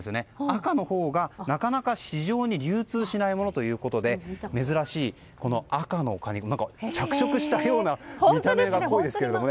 赤のほうがなかなか、市場に流通しないものということで珍しい赤の果肉。着色したような見た目ですけども。